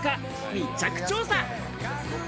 密着調査。